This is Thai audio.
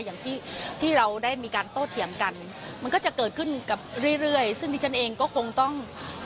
อย่างที่ที่เราได้มีการโต้เถียงกันมันก็จะเกิดขึ้นกับเรื่อยเรื่อยซึ่งดิฉันเองก็คงต้อง